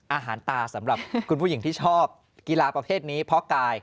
อาหารตาสำหรับคุณผู้หญิงที่ชอบกีฬาประเภทนี้เพราะกาย